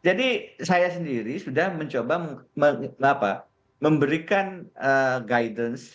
jadi saya sendiri sudah mencoba memberikan guidance